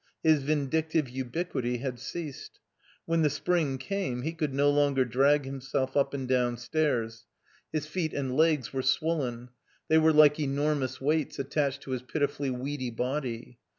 His vindictive ubiquity had ceased. When the spring came he could no longer drag himself up and down stairs. His feet and legs were swollen; they were 3" THE COMBINED MAZE # like enormotis weights attached to his pitifully weedy body.